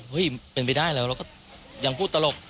เป็นไปได้แล้วเราก็ยังพูดตลก